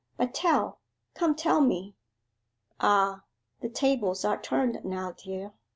but tell come tell me!' 'Ah the tables are turned now, dear!